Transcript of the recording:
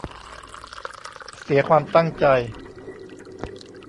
เสียความตั้งใจ